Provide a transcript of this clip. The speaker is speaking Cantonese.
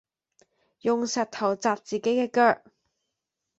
用石頭砸自己嘅腳